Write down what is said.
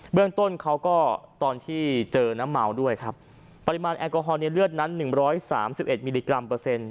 เรื่องต้นเขาก็ตอนที่เจอน้ำเมาด้วยครับปริมาณแอลกอฮอลในเลือดนั้น๑๓๑มิลลิกรัมเปอร์เซ็นต